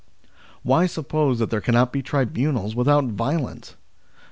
Why suppose that there cannot be tribunals without violence